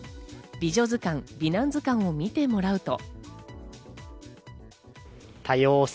美女図鑑・美男図鑑を見てもらうと。